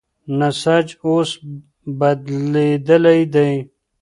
نسج اوس بدلېدلی دی.